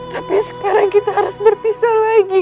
tapi sekarang kita harus berpisah lagi